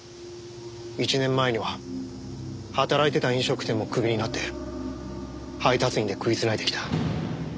１年前には働いてた飲食店もクビになって配達員で食い繋いできた。